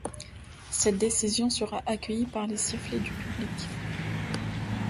Cette décision sera accueillie par les sifflets du public.